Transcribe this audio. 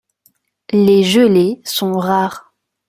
Les gelées sont rares.